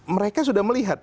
mereka sudah melihat